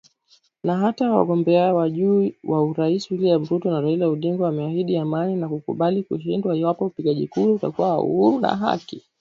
Na hata wagombea wa juu wa urais William Ruto na Raila Odinga wameahidi amani – na kukubali kushindwa iwapo upigaji kura utakuwa huru na wa haki